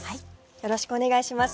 よろしくお願いします。